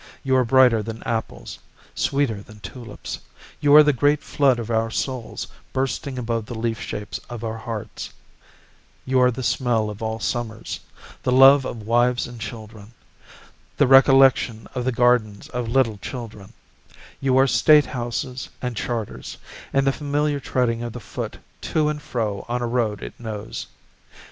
You are brighter than apples, Sweeter than tulips, You are the great flood of our souls Bursting above the leaf shapes of our hearts, You are the smell of all Summers, The love of wives and children, The recollection of the gardens of little children, You are State Houses and Charters And the familiar treading of the foot to and fro on a road it knows.